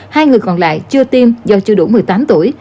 hai người còn lại chưa tiêm do chưa đủ một mươi tám tuổi